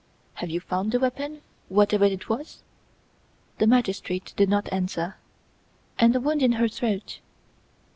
"Have you found the weapon whatever it was?" The magistrate did not answer. "And the wound in the throat?"